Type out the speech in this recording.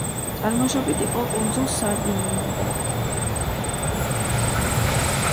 წარმოშობით იყო კუნძულ სარდინიიდან.